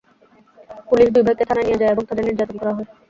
Police দুই ভাইকে থানায় নিয়ে যায় এবং তাঁদের নির্যাতন করা হয়।